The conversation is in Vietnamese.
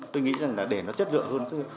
tôi nghĩ rằng là để nó chất lượng hơn